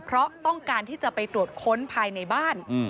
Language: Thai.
เพราะต้องการที่จะไปตรวจค้นภายในบ้าน